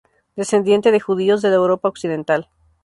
Descendiente de judíos de la Europa Occidental.